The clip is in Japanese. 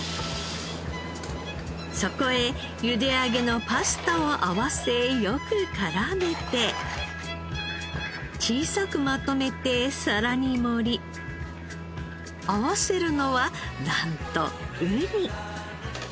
そこへゆで上げのパスタを合わせよく絡めて小さくまとめて皿に盛り合わせるのはなんとウニ。